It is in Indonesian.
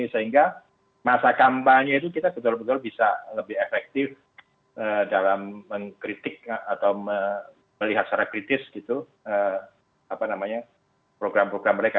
sehingga masa kampanye itu kita betul betul bisa lebih efektif dalam mengkritik atau melihat secara kritis program program mereka